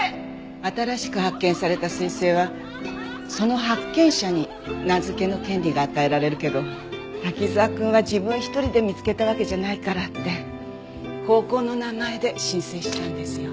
新しく発見された彗星はその発見者に名付けの権利が与えられるけど滝沢くんは自分一人で見つけたわけじゃないからって高校の名前で申請したんですよ。